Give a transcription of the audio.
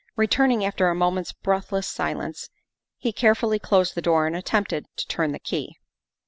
Returning after a moment's breathless silence, he care fully closed the door and attempted to turn the key.